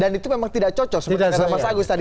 dan itu memang tidak cocok seperti yang kata mas agus tadi